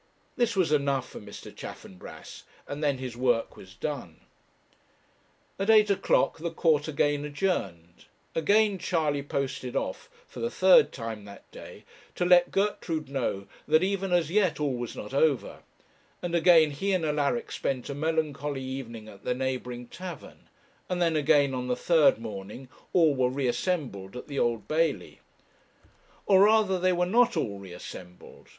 This was enough for Mr. Chaffanbrass, and then his work was done. At eight o'clock the court again adjourned; again Charley posted off for the third time that day to let Gertrude know that, even as yet, all was not over; and again he and Alaric spent a melancholy evening at the neighbouring tavern; and then, again, on the third morning, all were re assembled at the Old Bailey. Or rather they were not all re assembled.